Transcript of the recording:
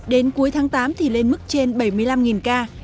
đến cuối tháng tám thì lên mức trên bảy mươi năm ca